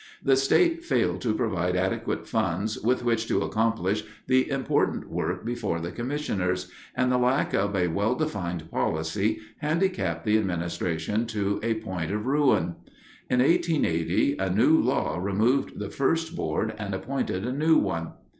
The state failed to provide adequate funds with which to accomplish the important work before the commissioners, and the lack of a well defined policy handicapped the administration to a point of ruin. In 1880 a new law removed the first board and appointed a new one.